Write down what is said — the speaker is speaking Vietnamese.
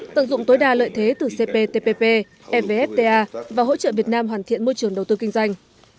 tận dụng tối đa lợi thế từ cptpp fvfta và hỗ trợ việt nam hoàn thiện môi trường đầu tư kinh doanh